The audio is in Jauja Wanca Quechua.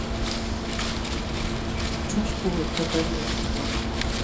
Ćhusku wallpatam lantiqluu.